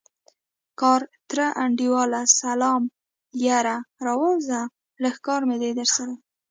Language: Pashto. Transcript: کارتره انډيواله سلام يره راووځه لږ کار مې درسره دی.